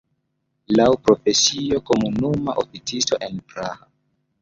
Laŭ profesio komunuma oficisto en Praha.